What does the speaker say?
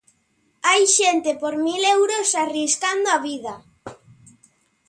Hai xente por mil euros arriscando a vida.